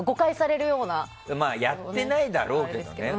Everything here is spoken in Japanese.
やってないだろうけどね。